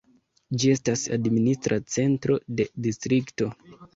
Ĝi estas administra centro de distrikto.